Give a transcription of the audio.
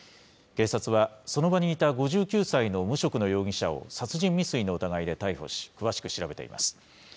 警察は、その場にいた５９歳の無職の容疑者を、殺人未遂の疑いで逮捕し、詳しく調べています。